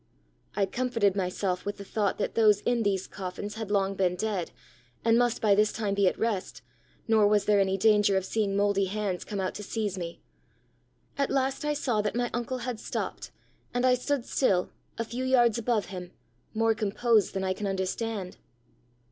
I comforted myself with the thought that those in these coffins had long been dead, and must by this time be at rest, nor was there any danger of seeing mouldy hands come out to seize me. At last I saw that my uncle had stopped, and I stood still, a few yards above him, more composed than I can understand."